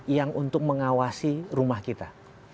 yang untuk mengawasi rumah kita